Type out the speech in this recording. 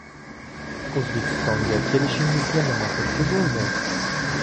Oʻzbekistonga kelishingizga nima turtki boʻldi?